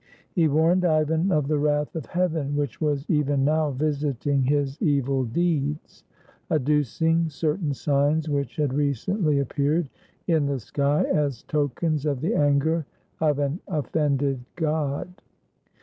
He warned Ivan of the wrath of Heaven, which was even now visiting his evil deeds, adducing certain signs which had recently appeared in the sky as tokens of the anger of an offended God.